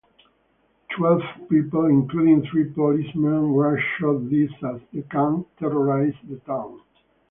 Twelve people, including three policemen, were shot dead as the gang terrorized the town.